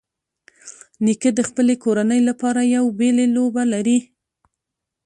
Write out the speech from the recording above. نیکه د خپلې کورنۍ لپاره یو بېلې لوبه لري.